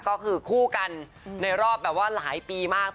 ก็คือคู่กันในรอบแบบว่าหลายปีมาก